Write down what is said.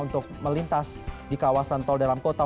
untuk melintas di kawasan tol dalam kota